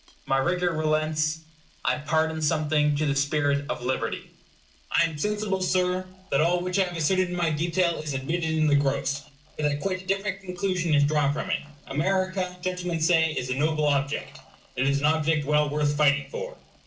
My rigor relents. I pardon something to the spirit of liberty. I am sensible, Sir, that all which I have asserted in my detail is admitted in the gross; but that quite a different conclusion is drawn from it. America, gentlemen say, is a noble object. It is an object well worth fighting for.